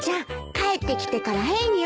帰ってきてから変よ。